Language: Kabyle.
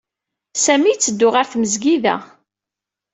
Sami yetteddu ɣer tmesgida.